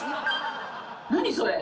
何それ！